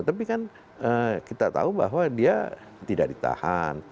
tapi kan kita tahu bahwa dia tidak ditahan